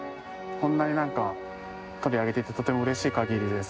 こんなに取り上げていただいてとてもうれしいかぎりです。